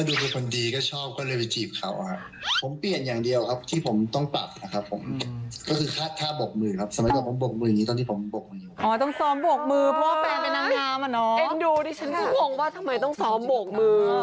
ดูดิฉันก็งงว่าทำไมต้องซ้อมโบกมือ